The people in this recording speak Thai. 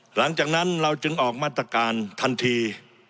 หลังจากนั้นเราจึงออกมาตรการทันที